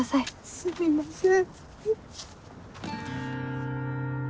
すみません。